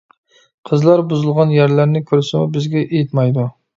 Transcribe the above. قىزلار بۇزۇلغان يەرلەرنى كۆرسىمۇ بىزگە ئېيتمايدۇ.